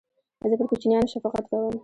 زه پر کوچنیانو شفقت کوم.